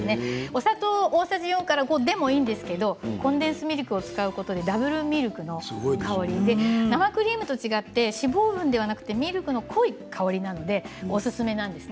お砂糖でもいいんですけれどコンデンスミルクを使うことでダブルミルクの香りで生クリームと違って脂肪分ではなくてミルクの濃い香りなのでおすすめです。